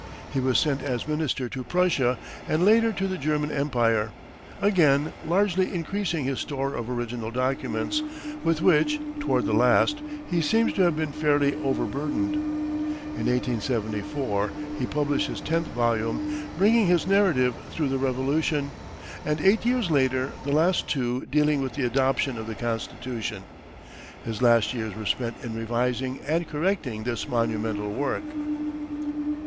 He was sent as Minister to Prussia and later to the German Empire, again largely increasing his store of original documents, with which, toward the last, he seems to have been fairly overburdened. In 1874, he published his tenth volume, bringing his narrative through the Revolution, and eight years later, the last two dealing with the adoption of the Constitution. His last years were spent in revising and correcting this monumental work.